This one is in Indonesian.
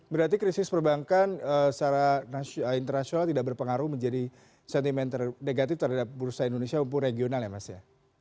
berarti krisis perbankan secara internasional tidak berpengaruh menjadi sentimen negatif terhadap bursa indonesia untuk regional ya mas ya